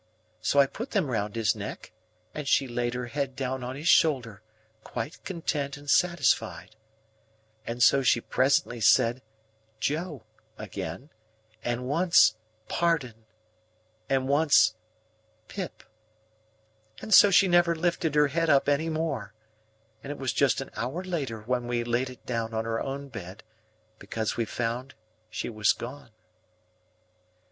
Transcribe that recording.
So I put them round his neck, and she laid her head down on his shoulder quite content and satisfied. And so she presently said 'Joe' again, and once 'Pardon,' and once 'Pip.' And so she never lifted her head up any more, and it was just an hour later when we laid it down on her own bed, because we found she was gone."